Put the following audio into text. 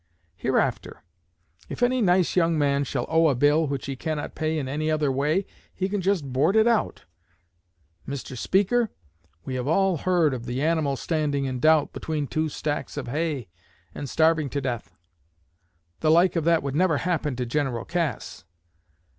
Hereafter if any nice young man shall owe a bill which he cannot pay in any other way he can just board it out. Mr. Speaker, we have all heard of the animal standing in doubt between two stacks of hay and starving to death. The like of that would never happen to General Cass.